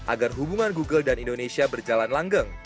agar hubungan google dan indonesia berjalan langgeng